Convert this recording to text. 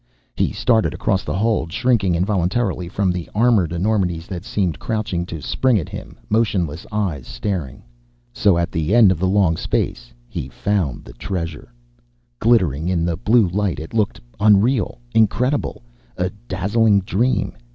He started across the hold, shrinking involuntarily from the armored enormities that seemed crouched to spring at him, motionless eyes staring. So, at the end of the long space, he found the treasure. Glittering in the blue light, it looked unreal. Incredible. A dazzling dream.